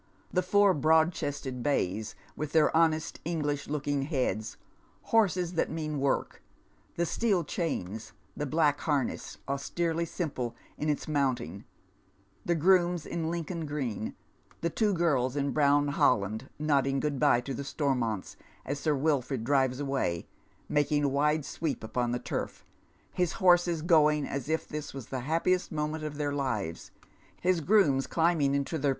the four broad chested bays, Avith theii honest EngUsh looking heads, horses that mean work, the steeJ chains, the black harness, austerely simple in its mounting, tha grooms in Lincoln green, the two girls in brown holland nodding good bye to the Stormonts as Sir Wilford drives away, making a wide sweep upon the turf, his horses going as if this was tlie happiest moment of tliek lives, his grooma climbing into their Town and Cmir.